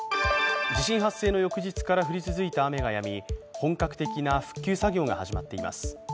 地震発生の翌日から降り続いた雨がやみ本格的な復旧作業が始まっています。